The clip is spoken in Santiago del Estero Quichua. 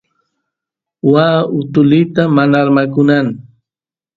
waa utulita mana armakunan